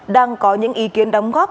đang có những ý kiến đóng góp